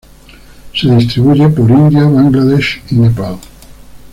Se distribuye por India, Bangladesh y Nepal.